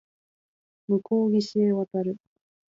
向こう岸へ渡る